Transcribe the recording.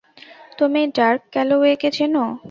তুমি ডার্ক ক্যালোওয়েকে চেনো?